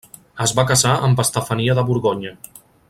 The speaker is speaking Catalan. Es va casar amb Estefania de Borgonya.